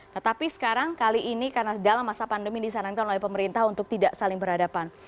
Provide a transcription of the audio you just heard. tetapi sekarang kali ini karena dalam masa pandemi disarankan oleh pemerintah untuk tidak saling berhadapan